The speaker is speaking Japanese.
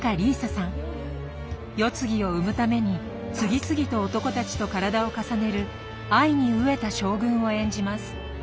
世継ぎを生むために次々と男たちと体を重ねる愛に飢えた将軍を演じます。